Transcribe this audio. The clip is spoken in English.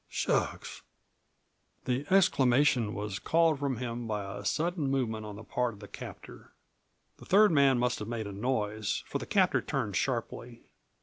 ... Shucks!" The exclamation was called from him by a sudden movement on the part of the captor. The third man must have made a noise, for the captor turned sharply.